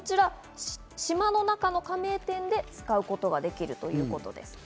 島の中の加盟店で使うことができるということです。